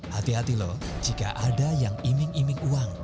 hati hati loh jika ada yang iming iming uang